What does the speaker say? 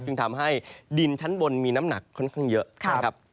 ซึ่งทำให้ดินชั้นบนมีน้ำหนักค่อนข้างเยอะนะครับ